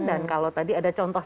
dan kalau tadi ada contohnya